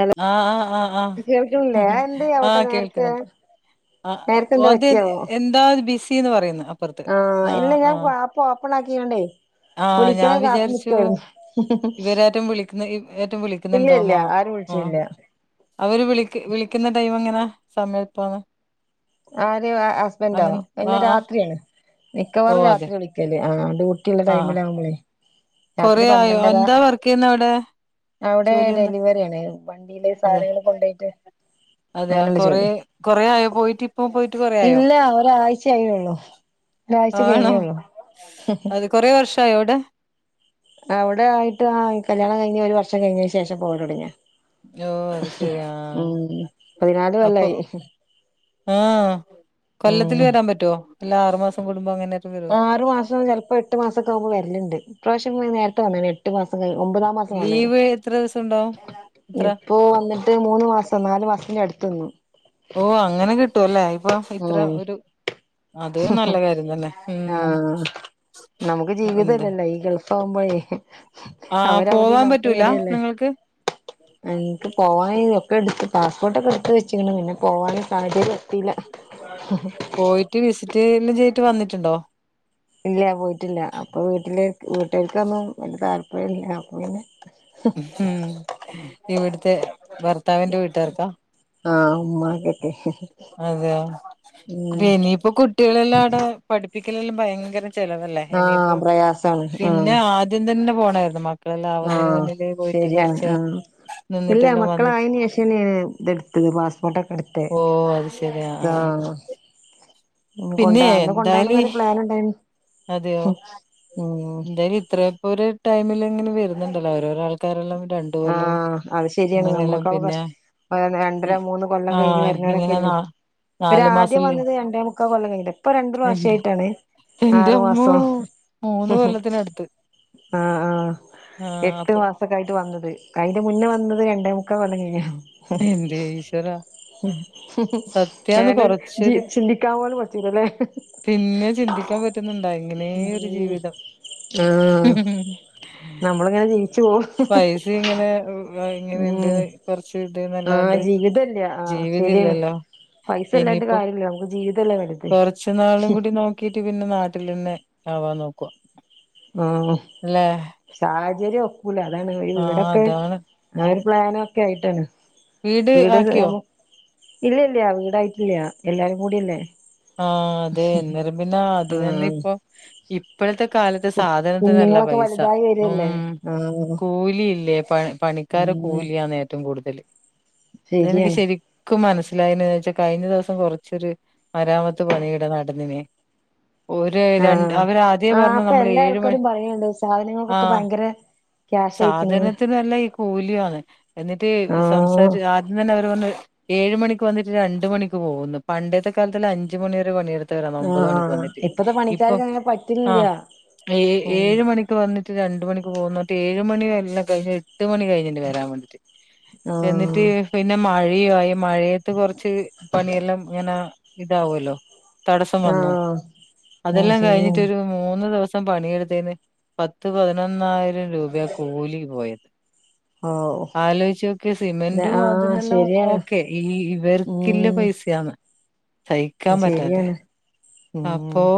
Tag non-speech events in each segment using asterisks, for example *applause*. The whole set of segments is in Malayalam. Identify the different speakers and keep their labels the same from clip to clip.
Speaker 1: ഹലോ
Speaker 2: ആഹ് ആഹ് ആഹ്
Speaker 1: കേൾക്കണില്ലേ
Speaker 2: ആഹ്
Speaker 1: എന്ത് ആവട്ടെ
Speaker 2: ആഹ്
Speaker 1: നേരത്തെ
Speaker 2: കേൾക്ക്ന്ന്ണ്ട്. ആഹ്
Speaker 1: നേരത്തെ എന്താ
Speaker 2: ഓൽത്
Speaker 1: പറ്റിയാവോ
Speaker 2: എന്താ ഒരു ബിസിന്ന് പറയുന്നു അപ്പുറത്ത്.
Speaker 1: ആഹ്
Speaker 2: ആ,
Speaker 1: ഇല്ല ഞാൻപ്പ ആപ്പ് ഓപ്പൺ ആക്കിയാണ്ടേ
Speaker 2: ആഹ്
Speaker 1: വിളിക്കണ
Speaker 2: ഞാൻ
Speaker 1: കാത്ത്
Speaker 2: വിചാരിച്ചു
Speaker 1: നിക്കായിരുന്നു
Speaker 2: ഇവരാരും വിളിക്കുന്ന ഏറ്റം
Speaker 1: ഇല്ല
Speaker 2: വിളിക്കുന്നുണ്ടോ
Speaker 1: ഇല്ല
Speaker 2: മാ
Speaker 1: ആരും വിളിച്ചില്ല
Speaker 2: അവര് വിളി വിളിക്ന്ന ടൈം എങ്ങനാ സമയപ്പാണ്?
Speaker 1: ആര് ഹസ്ബൻ്റോ
Speaker 2: ആ,
Speaker 1: എന്നും
Speaker 2: ആ.
Speaker 1: രാത്രിയാണ്
Speaker 2: ഓ
Speaker 1: മിക്കവാറും
Speaker 2: അതെ.
Speaker 1: രാത്രിയാ വിളിക്കല് ആ ഡ്യൂ ട്ടിള്ള ടൈമിലാവുമ്പളേ രാത്രി
Speaker 2: കൊറെ ആയോ
Speaker 1: പന്ത്രണ്ടര
Speaker 2: എന്താ വർക്കെ യ്യുന്നവിടെ?
Speaker 1: അവിടെ ഡെലിവറി ആണ് വണ്ടിയിലെ
Speaker 2: അതെ.
Speaker 1: സാധനങ്ങൾ കൊണ്ടോയ്ട്ട്.
Speaker 2: അതെയോ കൊറെ കൊറെ ആയൊ പോയിട്ട്? പ്പൊ പോയിട്ട് കൊറെ
Speaker 1: ഇല്ല ഒരാഴ്ചയായുള്ളൂ ഒരാഴ്ച
Speaker 2: ആണോ?
Speaker 1: കഴിഞ്ഞേള്ളൂ
Speaker 2: അത് കൊറേ വർഷായോ അവിടെ
Speaker 1: അവിടെ ആയിട്ട് ആ കല്യാണം കഴിഞ്ഞ് ഒരു വർഷം കയ്ഞ്ഞേന് ശേഷം പോവലൊടങ്ങ്യാ.
Speaker 2: ഓ അത്ശരിആ
Speaker 1: പതിനാല്
Speaker 2: അപ്പൊ.
Speaker 1: കൊല്ലായി
Speaker 2: ആഹ് കൊല്ലത്തില്
Speaker 1: ഉം
Speaker 2: വരാൻ പറ്റോ അല്ല ആറ്മാസം കൂടുംമ്പം അങ്ങനെ
Speaker 1: ആറ് മാസം ചെൽപ്പം എട്ട് മാസൊക്കെ ആകുമ്പ വര്ല്ണ്ട് ഇപ്രാവശ്യം നേര്ത്തെ വന്ന്ണ്. എട്ട് മാസം കഴി ഒമ്പതാം മാസം വന്ന്ണ്.
Speaker 2: ലീവ് എത്ര ദിവസം ഉണ്ടാവും ഇത്ര
Speaker 1: ഇപ്പൊ വന്നിട്ട് മൂന്ന് മാസം നാലു മാസത്തിന്റെ അടുത്ത് നിന്നു
Speaker 2: ഓ അങ്ങനെ കിട്ടുവല്ലേ ഇപ്പൊ ഇത്രേം
Speaker 1: ഉം
Speaker 2: ഒരു അത് നല്ല കാര്യം തന്നെ ഉം
Speaker 1: ആഹ് നമുക്ക്
Speaker 2: എന്താ
Speaker 1: ജീവിതല്ലല്ലോ ഈ ഗൾ ഫാവുമ്പോഴേ
Speaker 2: ആഹ്
Speaker 1: അവരവിടെം
Speaker 2: പോവാൻ
Speaker 1: നമ്മള്
Speaker 2: പറ്റൂല
Speaker 1: ഇവിടെല്ലേ
Speaker 2: നിങ്ങൾക്ക്
Speaker 1: എൻക്ക് പോവാന് ഒക്കെ ഇട്ത്ത് പാസ്പോർട്ടൊക്കെ എട്ത്ത് വെച്ച് ണ് പിന്നെ പോവാന് സാഹചര്യല്ല. ട്ടില
Speaker 2: പോയിട്ട് വിസിറ്റ്ല്ല് ചെയ്തിട്ട് വന്നിട്ടുണ്ടോ?
Speaker 1: ഇല്ല പോയിട്ടില്ല അപ്പൊ വീട്ടിലെ വീട്ടാർക്കൊന്നും വല്ല്യ താല്പര്യം ഇല്ല അപ്പ പിന്നെ.
Speaker 2: മ് ഇവിട്ത്തെ ഭർത്താവിന്റെ വീട്ട്കാർക്കാ.
Speaker 1: ആഹ്. ഉമ്മാക്കൊക്കെ
Speaker 2: അതെയോ
Speaker 1: ഉം
Speaker 2: ഇനിയിപ്പോ കുട്ടികളെല്ലാംആടെ പഠിപ്പിക്കലിന് ഭയങ്കര ചെലവല്ലേ
Speaker 1: ആഹ്
Speaker 2: ഇനിയിപ്പോ
Speaker 1: പ്രയാസാണ് ആഹ്
Speaker 2: പിന്നെ ആ ആദ്യം തന്നെ പോണായിരുന്നു മക്കളെല്ലാംവുന്നെന് മുന്നെ
Speaker 1: ശെരിയാണ് ആഹ് ഇല്ല
Speaker 2: നിന്നിട്ടെല്ലാം വന്നിട്ട്
Speaker 1: മക്കളായെന് ശേഷന്നെണ് ഇതെട്ത്തത് പാസ്പോർട്ടൊക്കെ എടുത്തെ
Speaker 2: ഓ അത് ശരി ആ ആ
Speaker 1: ഉഹ്
Speaker 2: പിന്നെ
Speaker 1: കൊണ്ട അന്ന്
Speaker 2: എന്തായാലും
Speaker 1: കൊണ്ടൊണന്നൊരു പ്ലാന്ണ്ടെയ്നി.
Speaker 2: അതെയോ. ന്തായാലും ഇത്രയപ്പോ ഒരു ടൈമിലങ്ങനെ വരുന്നുണ്ടല്ലോ ഓരോരാൾ ഒരെല്ലം രണ്ടുവൊല്ലം
Speaker 1: ആഹ് അത് ശരിയാണ്
Speaker 2: മൂന്നാല്ലാം..
Speaker 1: നമ്മളെക്കാളും
Speaker 2: പിന്നെ
Speaker 1: കഷ് രണ്ടര മൂന്ന് കൊല്ലം
Speaker 2: ആ
Speaker 1: കഴിഞ്ഞ്
Speaker 2: ഇങ്ങനെ ന
Speaker 1: വരുന്നവരൊക്കെയില്ലേ, ഇവര്
Speaker 2: നാലു
Speaker 1: ആദ്യം
Speaker 2: മാസല്ലേ
Speaker 1: വന്നത് രണ്ടേമു ക്കാ കൊല്ലം കഴിഞ്ഞിലെ? ഇപ്പൊ
Speaker 2: എന്റെ
Speaker 1: രണ്ട്പ്രാവശ്യയിട്ടാണ്
Speaker 2: എന്റെ
Speaker 1: ആറു
Speaker 2: അമ്മോ
Speaker 1: മാസം
Speaker 2: മൂന്ന് കൊല്ലത്തിനടുത്ത്
Speaker 1: ആഹ് ആഹ്
Speaker 2: ആ
Speaker 1: എട്ട്
Speaker 2: അപ്പൊ
Speaker 1: മാസ ക്കായിട്ട് വന്നത്. അയ്ന്റെ മുന്നെ വന്നത് രണ്ടേമുക്കാ കൊല്ലം കഴിഞ്ഞ്
Speaker 2: എന്റെ ഈശ്വര
Speaker 1: ഏതായാലും
Speaker 2: കൊറച്ചൊരു
Speaker 1: ചിന്തിക്കാൻ പോലും പറ്റൂലലെ.
Speaker 2: പിന്നെ ചിന്തിക്കാൻ പറ്റുന്നുണ്ടോ ഇങ്ങനെയൊരു
Speaker 1: ഉം
Speaker 2: ജീവിതം മം
Speaker 1: നമ്മള്ങ്ങനെ ജീവിച്ചു പോവ
Speaker 2: പൈസയിങ്ങനെ ഉം ഇങ്ങനെണ്ട്
Speaker 1: ഉം
Speaker 2: കൊറ്ച്ച്
Speaker 1: ആഹ്
Speaker 2: കിട്ടീന്നല്ലാണ്ട്
Speaker 1: ജീവിതല്ല ആഹ്
Speaker 2: ജീവിത
Speaker 1: ശരിയാണ്
Speaker 2: ഇല്ലല്ലോ
Speaker 1: പൈസ ഇല്ലാഞ്ഞിട്ട്
Speaker 2: ഇനിയ്പ്പോ
Speaker 1: കാര്യല്ല നമുക്ക് ജീവിതല്ലേ വലുത്
Speaker 2: കൊറച്ച് നാളും കൂടി നോക്ക ക്കിട്ട് പിന്നെ നാട്ടിലന്നെ ആവാൻ നോക്കുവ
Speaker 1: ആഹ്
Speaker 2: അല്ലെ
Speaker 1: സാഹചര്യം ഒക്കൂല അതാണ് ഈ
Speaker 2: ആഹ്
Speaker 1: വീടൊക്കെ
Speaker 2: അതാണ്
Speaker 1: ആ ഒരു പ്ലാനൊക്കയ്ട്ടാണ് വീട് നമ ഇല്ലല്യ വീടായിട്ടില്യാ എല്ലാരും കൂടി‌യല്ലേ.
Speaker 2: ആഹ് അതെ ന്നേരം പിന്നെ ആദ്യം തന്നെ
Speaker 1: ആഹ്
Speaker 2: ഇപ്പൊ ഇപ്പഴത്തെ കാലത്ത് സാധനത്തിനല്ല
Speaker 1: കുഞ്ഞുങ്ങളൊക്കെ
Speaker 2: പൈസ
Speaker 1: വലുതായി
Speaker 2: ഉം
Speaker 1: വരല്ലേ ആഹ്
Speaker 2: കൂലിയില്ലേ പ പണിക്കാറേ
Speaker 1: ഉം
Speaker 2: കൂലിയാന്ന് ഏറ്റവും കൂടുതൽ അതെനിക്ക്
Speaker 1: ശരിയാണ്
Speaker 2: ശരി ക്കും മനസിലായിനവെച്ചാ കഴിഞ്ഞ ദേവസം കൊറച്ചൊരു മരാമത്ത് പണിയിടെ നടന്ന്നി. ഒര് രണ്ട്
Speaker 1: ആഹ്
Speaker 2: അവര് ആദ്യേ
Speaker 1: ആഹ്
Speaker 2: പറഞ്ഞു
Speaker 1: ഇപ്പൊ
Speaker 2: നമ്മൾ
Speaker 1: എല്ലാ
Speaker 2: ഏഴ് മണി
Speaker 1: ആൾക്കാരും പറയണ്ട് സാധനങ്ങൾക്കൊക്കെ
Speaker 2: ആഹ്
Speaker 1: ഭയങ്കര ക്യാഷ് അയക്കണന്ന്
Speaker 2: സാധനത്തിനല്ലയീ കൂലിയാന്ന് എന്നിട്ട് സംസ
Speaker 1: ആഹ്
Speaker 2: ആദ്യംതന്നെ അവര് പറഞ്ഞ് ഏഴ് മണിക്ക് വന്നിട്ട് രണ്ട് മണിക്ക് പോകുന്ന് പണ്ടെത്തെ അഞ്ച് മണിവരെ പണിയെടുത്ത് ട്ടര ഒമ്പത് മണിക്ക്
Speaker 1: ആഹ്
Speaker 2: വന്നിട്ട്.
Speaker 1: ഇപ്പത്തെ
Speaker 2: ഇപ്പൊ
Speaker 1: പണിക്കാർക്ക് അങ്ങനെ പറ്റുന്നില്ല
Speaker 2: ആഹ് ഏഹ്
Speaker 1: ഉം
Speaker 2: ഏഴ് മണി ഇക്ക വന്നിട്ട് രണ്ട് മണിക്ക് പോവുന്നട്ട്. ഏഴ് മണി എല്ലാം കഴിഞ് എട്ട് മണികഴിഞ്ഞിട്ട് വരാൻ വേണ്ടിട്ട്
Speaker 1: ആഹ്
Speaker 2: എന്നിട്ട് പിന്നെ മഴയുവായി മഴയത്ത് കൊറച്ച് പണിയെല്ലാം ഇങ്ങനെ ഇതാവൊല്ലോ തടസം വന്നു.
Speaker 1: ആഹ് ആഹ്
Speaker 2: അതെല്ലാം
Speaker 1: ശരിയാണ്
Speaker 2: കഴിഞ്ഞിട്ടൊരു മൂന്ന് ദിവസം പം പണിയെടുത്തേന്ന് പത്ത് പതിനൊന്നായിരം രൂപയ കൂലി പോയത്.
Speaker 1: ഓഹ്
Speaker 2: ആലോച്ചോക് സിമെന്റും അതിന്നെല്ലാം
Speaker 1: ശരിയാണ്
Speaker 2: ഓക്കെ. ഈ ഇവർക്കില്ല പൈസയാന്ന് സൈ
Speaker 1: ശെരിയാണ് മം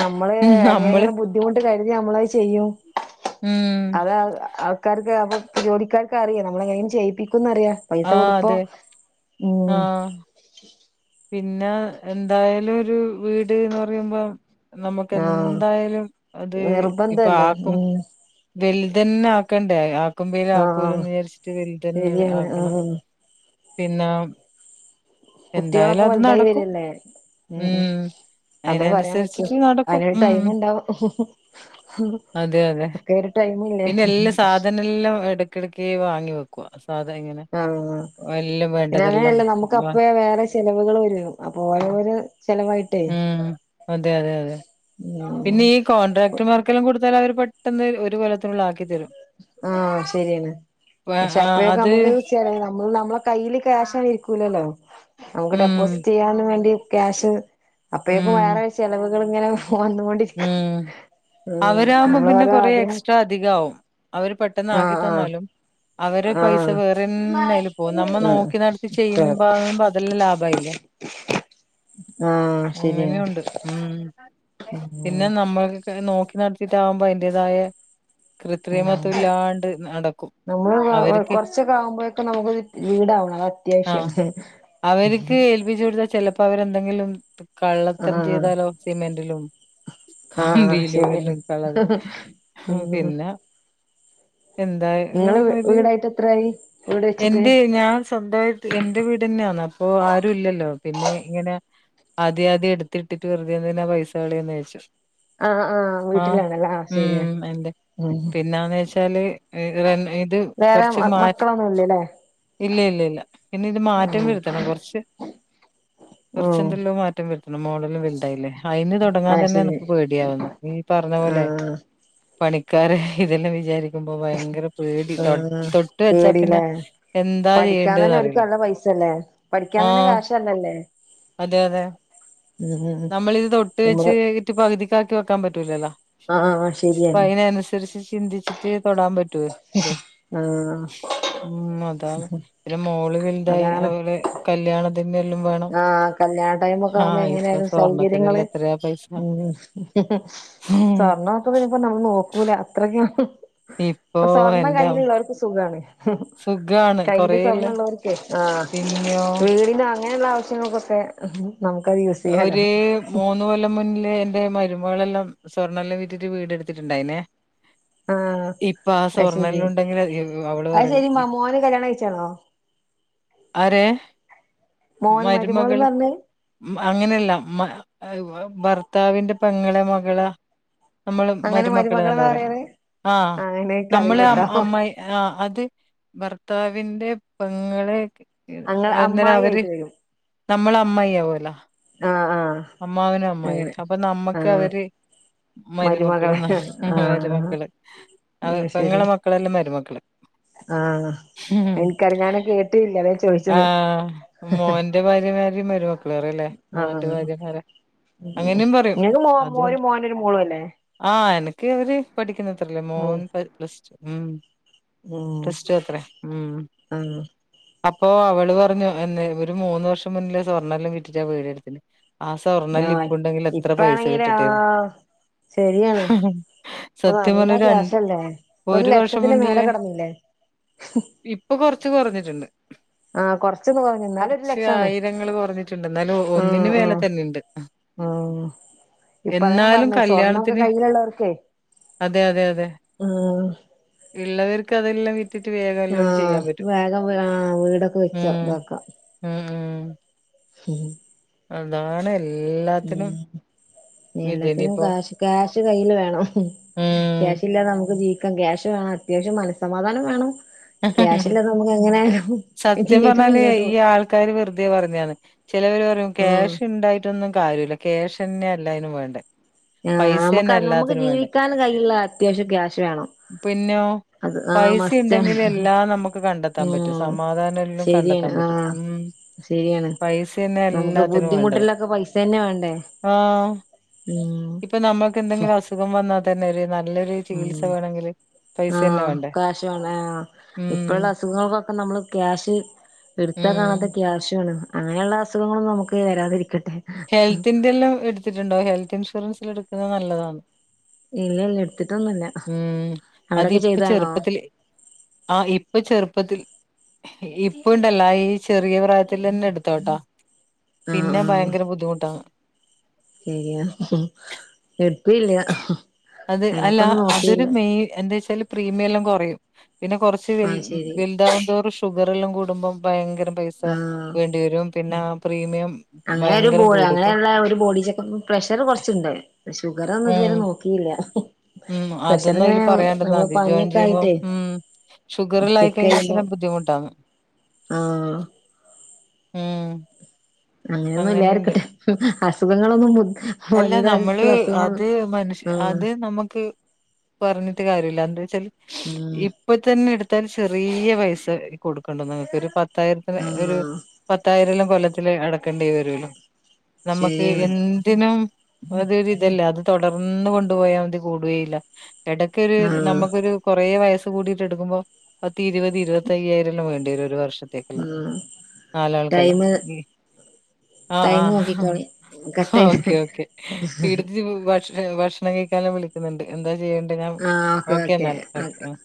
Speaker 1: ഞമ്മള്
Speaker 2: നമ്മള്
Speaker 1: എങ്ങനെങ്കിലും ബു ബുദ്ധിമുട്ട് കരുതി ഞമ്മളത് ചെയ്യും.
Speaker 2: മം
Speaker 1: അതാ ആൾക്കാര്ക്ക്, അപ്പ ജോലിക്കാർക്ക് അറിയ നമ്മളെങ്ങെനെയിലും ചെയ്യിപ്പിക്കുംന്ന റിയ പൈസ
Speaker 2: ആ
Speaker 1: കൊടുപ്പൊ
Speaker 2: അതെ ആ
Speaker 1: ഉം
Speaker 2: പിന്നെ എന്തായാലൊരു വീട്ന്ന് പറയുമ്പോ നമുക്ക്
Speaker 1: ആഹ്
Speaker 2: എന്തായാലും അത് ഇപ്പൊ
Speaker 1: നിർബന്ധല്ലേ
Speaker 2: ആക്കും
Speaker 1: ഉം
Speaker 2: വെല്തന്നെ ആക്കണ്ടേ ആക്കുമ്പേ ലെ ആക്കൂലു
Speaker 1: ആഹ്
Speaker 2: വിചാരിച്ചിട്ട് വെല്തന്നെ
Speaker 1: ശരിയാണ്
Speaker 2: ആക്കണം
Speaker 1: ഉം
Speaker 2: പിന്നെ എന്തായാലും
Speaker 1: കുട്ടികളൊക്കെ
Speaker 2: അത്
Speaker 1: വല്തായി
Speaker 2: നടക്കും
Speaker 1: വരല്ലേ? മം മം
Speaker 2: ഉം
Speaker 1: അതേ പറയാൻ പറ്റൂ
Speaker 2: അതിനനുസരിച്ചിട്ട് നടക്കും
Speaker 1: അയ്നൊരു
Speaker 2: ഉം
Speaker 1: ടൈമ് ഉണ്ടാവും.
Speaker 2: അതെ അതെ
Speaker 1: ഒക്കെ ഒരു ടൈമില്ലേ
Speaker 2: പിന്നെ എല്ലാ സാധന ഇല്ല എടക്കിടക്ക് വാങ്ങി വെക്കു സാധ നങ്ങനെ
Speaker 1: ആഹ് പിന്ന അങ്ങനെയല്ലേ നമുക്ക്
Speaker 2: വാ
Speaker 1: അപ്പ വേറെ ചെലവുകൾ വരും അപ്പൊ ഓരോരോ ചെലവായിട്ടേ
Speaker 2: ഉം അതെ അതെ അതെ
Speaker 1: ഉം
Speaker 2: പിന്നെ കോൺട്രാക്ടർമാർക്കെല്ലാം കൊടുത്താൽ അവര് പെട്ടെന്ന് ഒരു കൊല്ലത്തിനുള്ള ആക്കിത്തരും
Speaker 1: ആഹ് ശരിയാണ് പക്ഷെ
Speaker 2: ആ
Speaker 1: അപ്പയൊക്കെ
Speaker 2: അത്
Speaker 1: നമ്മുക്ക് ചെറിയെ നമ്മളെ നമ്മക്ക് കയ്യിയില് ക്യശ ആയിരിക്കും ലല്ലോ നമുക്ക്
Speaker 2: ഉം
Speaker 1: ഡെപ്പോസിറ്റ് ചെയ്യാ വേണ്ടി ക്യാഷ് അപ്പഴേക്കും
Speaker 2: ഉം
Speaker 1: വേറെ ചെലവുകൾ ഇങ്ങനെ വന്നുകൊണ്ട
Speaker 2: ഉം അവരാവുമ്പോ പിന്നെ
Speaker 1: ഓരോ
Speaker 2: കൊറെ
Speaker 1: ആഗ്രഹം
Speaker 2: എക്സ്ട്രാ അധിക ആവും അവര് പ പെട്ടെന്ന് ആ കി
Speaker 1: ആഹ്
Speaker 2: തന്നാലും അവര് പൈസ
Speaker 1: ആഹ്
Speaker 2: വേറെന്താലും പോവും നമ്മൾ
Speaker 1: ആഹ് ആഹ്
Speaker 2: നോക്കി നടത്തി
Speaker 1: ശരി
Speaker 2: ചെയ്യുമ്പ അതെല്ലാം ലാഭയില്ലേ
Speaker 1: ആഹ് ശരിയാണ്
Speaker 2: അങ്ങനെയുണ്ട് ഉം പിന്നെ
Speaker 1: ഉം
Speaker 2: നമ്മൾക്ക് നോക്കി നടത്തിട്ടകുമ്പോ അതിന്റേതായ
Speaker 1: ഉം
Speaker 2: നടക്കും
Speaker 1: നമ്മള്
Speaker 2: അവര്ക്ക്
Speaker 1: കൊറച്ചൊക്കെ ആവുമ്പോഴൊക്കെ നമുക്ക് വീടാവണം അത് അത്യാവശ്യാണ്
Speaker 2: അവർക്ക് ഏൽപിച്ച കൊടുത്താൽ ചെലപ്പോ അവരെ എന്തെങ്കിലും കള്ളത്തരം
Speaker 1: ആഹ്
Speaker 2: ചെയ്താലോ സിമെന്റിലും
Speaker 1: ആഹ്
Speaker 2: കമ്പിയിലും
Speaker 1: ശരിയാണ്
Speaker 2: എല്ലും കള
Speaker 1: ഉം
Speaker 2: പിന്നെ എന്തായാലും
Speaker 1: നിങ്ങള്
Speaker 2: ഒരുത്
Speaker 1: വീടായിട്ട് എത്രായി വീട് വെച്ചിട്ട്
Speaker 2: എന്റെ ഞാൻ സ്വന്തായിട്ട് എന്റെ വീടന്നെആന്ന് അപ്പൊ ആരു ഇല്ലല്ലോ പിന്നെ ഇങ്ങനെ ആദ്യം ആദ്യ എടുത്തിട്ടിട്ട് വറുതേതിനാ പൈസ കളീണന്ന് വെച്ചു
Speaker 1: ആഹ്
Speaker 2: ആഹ്
Speaker 1: വീട്ടിലാണല്ലേ ആഹ് ശരിയാ
Speaker 2: ഉം എന്റെറെ
Speaker 1: ഉം
Speaker 2: പിന്നാന്ന് വെച്ചാല് എന്താ പറഞ്ഞത് ഇത്
Speaker 1: വേറെ
Speaker 2: കൊറച്ച് മാ
Speaker 1: മക്കളൊന്നും ഇല്ലല്ലേ
Speaker 2: ഇല്ല ഇല്ല ഇല്ല പിന്നെ ഇത് മാറ്റം
Speaker 1: ഉം
Speaker 2: വരുത്തണം കൊറച്ച്
Speaker 1: ഉം
Speaker 2: കുറച്ച്ന്തെല്ലോ മാറ്റം വരുത്തണം മോളിലും വലുതായില്ലേ അതിന് തുടങ്ങാ
Speaker 1: ആഹ്
Speaker 2: തന്നെ
Speaker 1: ശരി
Speaker 2: പേടിയാവുന്ന നീ പറഞ്ഞ പോലെ
Speaker 1: ആഹ്
Speaker 2: പണിക്കാര് ഇതെല്ലാം വിചാരിക്ക പോ ഭയങ്കര പേടി
Speaker 1: ആഹ്
Speaker 2: തൊട്ട് വെച്ചാ പിന്നെ
Speaker 1: പേടില്ലേ
Speaker 2: എന്താ
Speaker 1: പഠിക്കാൻ തന്നെ അവർക്ക്
Speaker 2: ചെയ്യേണ്ടന്ന്റിയില്ല
Speaker 1: നല്ല പൈസല്ലേ പഠിക്കാൻ തന്നെ കാശല്ലല്ലേ
Speaker 2: അതെ അതെ
Speaker 1: ഉം ഉം
Speaker 2: നമ്മളിത് തൊട്ട് വെച്ച്
Speaker 1: നമ്മള്
Speaker 2: ഇട്ട് പകുതിക്കാക്കി വെക്കാൻ പറ്റൂലല്ലോ
Speaker 1: ആഹ് ആഹ്
Speaker 2: അപ്പൊ
Speaker 1: ശരിയാണ്
Speaker 2: അതിന അനുസരിച്ച് ചിന്തിച്ചിട്ട് തൊടാൻ പറ്റും
Speaker 1: ആഹ്
Speaker 2: ഉം അതാണ് പിന്നെ മോള് വലുതായി
Speaker 1: അതാണ്
Speaker 2: അവൾ കല്യാണ എല്ലും പാടെ
Speaker 1: ആഹ് കല്യാ ടൈം ഒക്കെ ആവ്പോ എങ്ങനെ അങ്ങന സൗകര്യങ്ങള്
Speaker 2: സ്വർണ്ണത്തിനെല്ലാം എത്രയാ പൈസ
Speaker 1: ഉ സ്വർണ ഇപ്പോ നമ്മൾ നോക്കൂലേ അത്രക്ക് ഇപ്പൊ സ്വർണ്ണം കയ്യിലുള്ള അവർക്ക് സുഖാണ്
Speaker 2: സുഖാണ്
Speaker 1: കയ്യില്
Speaker 2: കൊറേല്ല
Speaker 1: സ്വർണ ഉള്ളൊർക്കെ ആ
Speaker 2: പിന്നെയോ
Speaker 1: വീ അങ്ങനെയുള്ള ആവശ്യങ്ങൾക്കൊക്കെ നമുക്കതിൻ
Speaker 2: ഒരു മൂന്ന് കൊല്ലം മുന്നില് എൻ്റെ മ കുടുബകളെല്ലാം സ്വർണ്ണെല്ലാം വിട്ടിട്ട് വീട്ടുത്തിട്ടുണ്ടായിനെ
Speaker 1: ആഹ്
Speaker 2: ഇപ്പൊ ആ
Speaker 1: അത് ശരി
Speaker 2: സ്വർണ്ണല്ല ഉണ്ടെങ്കിൽ അവള്
Speaker 1: അത്
Speaker 2: പറയുന്ന
Speaker 1: ശരി മോന് കല്യാണം കഴിച്ചാണോ
Speaker 2: അരേ
Speaker 1: മോന് മരുമോൾന്ന്
Speaker 2: മരുമകള്
Speaker 1: പറഞ്ഞത്
Speaker 2: അങ്ങനെയല്ലാ മ് ഭർത്താവിന്റെ പെങ്ങളെ മകളെ നമ്മള്
Speaker 1: അങ്ങനെ
Speaker 2: മരുമക്കള്
Speaker 1: മരുമകളെന്നാ
Speaker 2: നല്ലോറിം
Speaker 1: പറയണേ
Speaker 2: ആഹ്
Speaker 1: അങ്ങനെ
Speaker 2: നമ്മള്
Speaker 1: എനിക്കറിയില്ലട്ടോ
Speaker 2: അമ്മ ആ് അത് ഭർത്താവിന്റെ പങ്ങളെെ
Speaker 1: അങ്ങ
Speaker 2: അന്നേരം
Speaker 1: അമ്മായി
Speaker 2: അവര്
Speaker 1: ആയിട്ട് വരും
Speaker 2: നമ്മള് അമ്മയ്യിഅവൊല്ലൊ
Speaker 1: ആഹ് ആഹ്
Speaker 2: അമ്മാവനും അമ്മായി
Speaker 1: അങ്ങനെ
Speaker 2: അപ്പൊ നമ്മക്ക്
Speaker 1: ആഹ്
Speaker 2: അവര് മരുമക്കള്
Speaker 1: മരുമകളെ ആഹ്
Speaker 2: മരുമക്കള് അ
Speaker 1: അത് ശരി
Speaker 2: പെങ്ങളെ മക്കളല്ലാം മരുമക്കള്
Speaker 1: ആഹ് എനിക്കറി കേട്ടില്ല അത ചോദിച്ചത്
Speaker 2: രണ്ട് ഭാര്യമാരും മരുമക്കളും പറയും അല്ലേ മോന്റെ ഭാര്യ.
Speaker 1: ഇങ്ങക്ക് മോ ഒരു
Speaker 2: അതുകൊണ്ട്
Speaker 1: മോന് ഒരു മോളും അല്ലേ
Speaker 2: ആഹ് എനക്ക് അവര് പഠിക്കുന്നത്രല്ലേ
Speaker 1: ഉം
Speaker 2: മോൻ പ്ലസ് ടു ഉം
Speaker 1: ഉം
Speaker 2: പ്ലസ് ടു അത്രേ ഉംഹ്
Speaker 1: ആഹ്
Speaker 2: അപ്പൊ അവള് പറഞ്ഞു എന്നെ ഇവര് മൂന്ന് വർഷം മുന്നില് സ്വർണ്ണെല്ലാം വിറ്റിട്ടാ വീട് എടുത്തിന്ന് ആ സ്വർണ്ണം എല്ലാം
Speaker 1: ഞാൻ
Speaker 2: ഇപ്പൊ ഉണ്ടെങ്കില് എത്ര പൈസ
Speaker 1: ഇപ്പാണെങ്കില്
Speaker 2: കിട്ടിട്ടേ
Speaker 1: ആഹ് ശരിയാണ് ഇപ്പൊ
Speaker 2: സത്യം
Speaker 1: നല്ല
Speaker 2: പറഞ്ഞ രണ്ട്
Speaker 1: ക്യാഷല്ലേ
Speaker 2: ഒരു വർഷം
Speaker 1: ലക്ഷത്തിന്
Speaker 2: മുന്നേ
Speaker 1: മേലെ കടന്നില്ലേ
Speaker 2: ഇപ്പൊ കൊറച്ച് കുറഞ്ഞിട്ടുണ്ട്
Speaker 1: ആഹ് കൊറച്ചൊന്ന് കൊറഞ്ഞു എന്നാലും ഒരു
Speaker 2: കുറച്ച്
Speaker 1: ലക്ഷാണ്
Speaker 2: ആയിരങ്ങൾ കുറഞ്ഞിട്ടുണ്ട് എന്നാലും
Speaker 1: ഉം
Speaker 2: ഒന്നിന്
Speaker 1: ഉം
Speaker 2: വെല തന്നെയുണ്ട്
Speaker 1: ആഹ് ഇപ്പ അതാ ഞാൻ
Speaker 2: എന്നാലും
Speaker 1: പറഞ്ഞേ സ്വർണ്ണൊക്കെ
Speaker 2: കല്യാണത്തിന്
Speaker 1: കയ്യിലുള്ളവർക്കേ
Speaker 2: അതെ അതെ അതെ
Speaker 1: ആഹ്
Speaker 2: ഉള്ളവർക്ക് അതെല്ലാം വി റ്റിട്ട് വേറെ വെല്ലോം
Speaker 1: ആഹ്
Speaker 2: ചെയ്യാൻ പറ്റും
Speaker 1: വേഗം ആഹ് വീടൊക്കെ വെച്ച്
Speaker 2: ഉംഹ്
Speaker 1: ഇതാക്കാം
Speaker 2: ഉംഹ്
Speaker 1: *inaudible*
Speaker 2: അതാണ് എല്ലാ
Speaker 1: ഉംഹ്
Speaker 2: ഇത്
Speaker 1: എല്ലത്തിനും
Speaker 2: ഇനിയിപ്പോ
Speaker 1: ക്യാഷ് ക്യാഷ് കയ്യില് വേണം
Speaker 2: ഉം
Speaker 1: ക്യാഷ് ഇല്ലാതെ നമുക്ക് ജീവി *unintelligible* ക്യാഷ് വേണം അത്യാവശ്യം മനസ്സമാധാനം വേണം ക്യാഷ് ഇല്ലാതെ നമുക്ക് എങ്ങനെ ജീവിതം മുന്നോട്ട് പോവും
Speaker 2: കാര്യം വെറുതെ പറഞ്ഞതാണ് ചിലവര് പറയും
Speaker 1: ഉം
Speaker 2: ക്യാഷ് ഉണ്ടായി റ്റൊന്നും കാര്യമില്ല ക്യാഷന്നെയാ എല്ലായ്നും വേണ്ടേ
Speaker 1: ആഹ
Speaker 2: പൈസ
Speaker 1: നമുക്ക്
Speaker 2: തന്നെ
Speaker 1: നമുക്ക്
Speaker 2: എല്ലാത്തിനും വേണ്ടേ
Speaker 1: ജീവിക്കാൻ കയ്ല്ള്ള അത്യാവശ്യം ക്യാഷ് വേണം
Speaker 2: പിന്നൊ
Speaker 1: അത് ആഹ് മസ്റ്റാണ്
Speaker 2: എല്ലാ നമുക്ക് കണ്ടെത്താൻ പറ്റും
Speaker 1: ഉം
Speaker 2: സമാധാനം എല്ലാം കണ്ടെത്താൻ പറ്റും ഉംഹ്
Speaker 1: ശെരിയാണ് നമുക്ക്
Speaker 2: വേണ്ടത്
Speaker 1: ബുദ്ധിമുട്ടുള്ളൊക്കെ പൈസ തന്നെ വേണ്ടേ
Speaker 2: ആഹ്
Speaker 1: ഉം
Speaker 2: ഇപ്പൊ നമ്മക്ക് എന്തെങ്കിലും അസുഖം വന്നാൽ തന്നെ ഒരു നല്ലൊരു ചികിത്സ
Speaker 1: ഉം
Speaker 2: വേണമെങ്കിൽ പൈസ തന്നെ വേണ്ടേ ഉം
Speaker 1: ഇപ്പോഴുള്ള അസുഖങ്ങൾക്കൊക്കെ നമ്മള് ക്യാഷ് എടുത്താ
Speaker 2: ഉം
Speaker 1: കാണാത്ത ക്യാഷ് ആണ് അങ്ങനെയുള്ള അസുഖങ്ങളൊന്നും നമുക്ക് വരാതിരിക്കട്ടെ
Speaker 2: ഹെൽത്തിന്റെ എല്ലാം എടുത്തിട്ടുണ്ടോ ഹെൽത്ത് ഇൻഷുറൻസിൽ എടുക്കുന്നത് നല്ലതാണ്.
Speaker 1: ഇല്ല ഇല്ല എടുത്തിട്ടൊന്നുല്ല
Speaker 2: ഉംഹ്
Speaker 1: അവിടൊക്കെ
Speaker 2: അതിപ്പൊ
Speaker 1: ചെയ്താണോ
Speaker 2: ചെറുപ്പത്തില് ആഹ് ഇപ്പൊ ചെറുപ്പത്തില് ഇപ്പൊ ഉണ്ടല്ലോ ഈ ചെറിയ പ്രായത്തിൽ തന്നെ എടുത്തോട്ടോ.
Speaker 1: ആഹ്
Speaker 2: പിന്നെ ഭയങ്കര ബുദ്ധിമുട്ടാണ്
Speaker 1: ശെരിയ വെറുതെയല്ല
Speaker 2: അത് അല്ല അതൊരു മെയിൻ എന്താ വെച്ചാല് പ്രീമിയം എല്ലാം കുറയും പിന്നെ കുറ ച്ച് വെൽ
Speaker 1: ആഹ് ശരി
Speaker 2: വെലുതാവും തോറും ഷുഗറെല്ലാം കൂടുമ്പോം ഭയങ്കര പൈ സ
Speaker 1: ആഹ്
Speaker 2: വേണ്ടി വരും പിന്നെ ആ പ്രീമിയം
Speaker 1: അങ്ങനെ ഒരു ബോ
Speaker 2: ഭയങ്കരം കൂടുന്നു
Speaker 1: അങ്ങനെയുള്ള ഒരു ബോഡി ചെക്ക് അപ്പ്‌ പ്രഷർ കുറച്ചുണ്ട് ഷുഗർ ഒന്നും ഇതുവരെ നോക്കിയില്ല.
Speaker 2: ഉംഹ് അതൊന്നും അയില്
Speaker 1: പ്രഷറിങ്ങനെ
Speaker 2: പറയാണ്ടിരുന്നാ
Speaker 1: നമ്മള്
Speaker 2: മതി ജോയിൻ
Speaker 1: പനിയൊക്കെ
Speaker 2: ചെയ്യുമ്പോം
Speaker 1: ആയിട്ടേ
Speaker 2: ഉംഹ് ഷുഗറ് എല്ലാം ആയി
Speaker 1: ചെക്ക്
Speaker 2: കഴിഞ്ഞാൽ
Speaker 1: ചെയ്യുമ്പോ
Speaker 2: പിന്നെ ബുദ്ധിമുട്ടാണ്
Speaker 1: ആഹ്
Speaker 2: ഉം
Speaker 1: അങ്ങനെയൊന്നും ഇല്ലാതെ
Speaker 2: അങ്ങനെണ്ട്
Speaker 1: ഇരിക്കട്ടെ അസുഖങ്ങളൊന്നും
Speaker 2: അല്ല നമ്മള്
Speaker 1: വലിയതായിട്ടുള്ള
Speaker 2: അത്
Speaker 1: അസുഖങ്ങളൊന്നും
Speaker 2: മനുഷ്യ
Speaker 1: ആഹ്
Speaker 2: അത് നമ്മുക്ക് പറഞ്ഞിട്ട് കാര്യമില്ല എന്താ വെച്ചാല്
Speaker 1: *unintelligible*
Speaker 2: ഇപ്പൊ തന്നെ എടുത്താൽ ചെറിയ പൈസ കൊടുക്കണ്ട നിങ്ങക്ക് ഒരു പത്തായിരത്തിന് ഒരു
Speaker 1: ആഹ്
Speaker 2: പത്തായിരെല്ലാം കൊല്ലത്തില് അടക്കേണ്ടി വരൂല്ലൊ നമുക്ക്
Speaker 1: ശരിയാണ്
Speaker 2: എന്ത് ത്തിനും അതൊരി ഇതല്ലേ അത് തുടർന്ന് കൊണ്ടു പോയാൽ മതി കൂടുകയില്ല. ഇടക്കൊരു
Speaker 1: ആഹ്
Speaker 2: നമ്മക്കൊരു കൊറേ വയസ് കൂടിട്ട് എടുക്കുമ്പോ പത്തി ഇരുപത്തി ഇരുപത്തയ്യായിരല്ലോ വേണ്ടിവെരും, ഒരു വർഷത്തേക്ക്. ല്ലോ?
Speaker 1: ആഹ്
Speaker 2: നാലാൾക്കല്ലെ?.
Speaker 1: ടൈമ്
Speaker 2: ആഹ്
Speaker 1: ടൈമ്
Speaker 2: ആഹ്
Speaker 1: നോക്കിക്കോളി
Speaker 2: ഓ
Speaker 1: കട്ടായി
Speaker 2: ഓക്കെ ഓക്കെ ഇട്ത്തെച്ച് ഭക്ഷ ഭക്ഷണം കഴിക്കാതാ വിളിക്ക വിളിക്ക്ന്നുണ്ട് എന്താ ചെയ്യേണ്ടെ ഞ്ഞാം ഓക്കെ എന്നാലേ ഓക്കെ ആഹ്